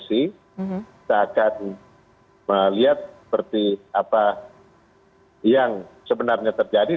kita akan melihat seperti apa yang sebenarnya terjadi